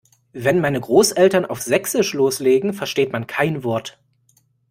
Wenn meine Großeltern auf sächsisch loslegen, versteht man kein Wort.